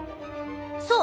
そう！